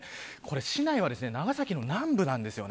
市内は長崎の南部なんです。